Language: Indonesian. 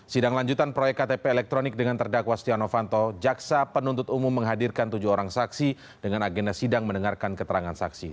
sidang lanjutan proyek ktp elektronik dengan terdakwa stiano fanto jaksa penuntut umum menghadirkan tujuh orang saksi dengan agenda sidang mendengarkan keterangan saksi